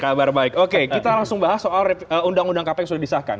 kabar baik oke kita langsung bahas soal undang undang kpk yang sudah disahkan